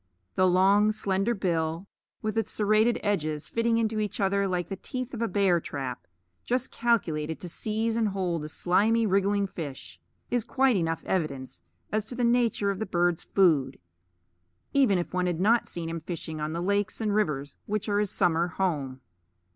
The long slender bill, with its serrated edges fitting into each other like the teeth of a bear trap, just calculated to seize and hold a slimy wriggling fish, is quite enough evidence as to the nature of the bird's food, even if one had not seen him fishing on the lakes and rivers which are his summer home.